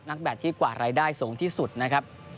แบตที่กว่ารายได้สูงที่สุดนะครับ